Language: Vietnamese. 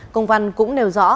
công văn cũng nêu rõ